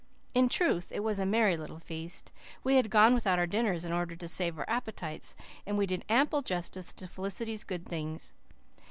In truth, it was a merry little feast. We had gone without our dinners, in order to "save our appetites," and we did ample justice to Felicity's good things.